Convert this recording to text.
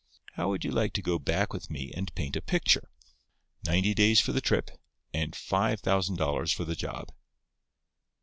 How would you like to go back with me and paint a picture? Ninety days for the trip, and five thousand dollars for the job."